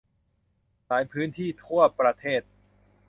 หลายพื้นที่ทั่วประเทศ